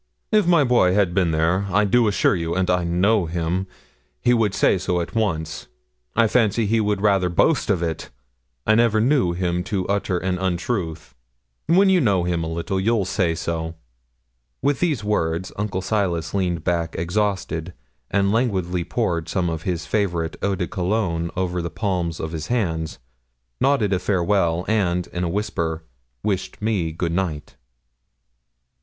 'If my boy had been there, I do assure you and I know him he would say so at once. I fancy he would rather boast of it. I never knew him utter an untruth. When you know him a little you'll say so.' With these words Uncle Silas leaned back exhausted, and languidly poured some of his favourite eau de cologne over the palms of his hands, nodded a farewell, and, in a whisper, wished me good night.